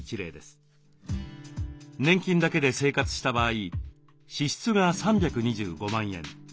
年金だけで生活した場合支出が３２５万円。